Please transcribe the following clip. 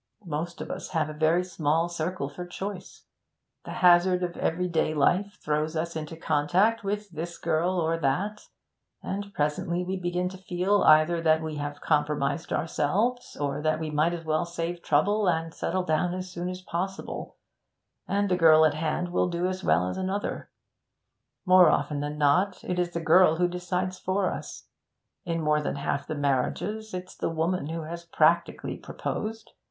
Most of us have a very small circle for choice; the hazard of everyday life throws us into contact with this girl or that, and presently we begin to feel either that we have compromised ourselves, or that we might as well save trouble and settle down as soon as possible, and the girl at hand will do as well as another. More often than not it is the girl who decides for us. In more than half the marriages it's the woman who has practically proposed.